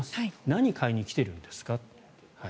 何を買いに来ているんですか？